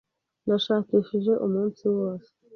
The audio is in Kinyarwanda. Nashakishije umunsi wose.